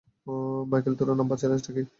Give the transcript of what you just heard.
Michael তেরো number চ্যালেঞ্জটা কি?